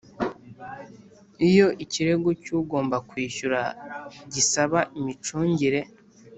Iyo ikirego cy ugomba kwishyura gisaba imicungire